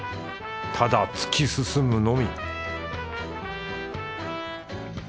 ただ突き進むのみ